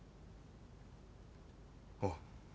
おう。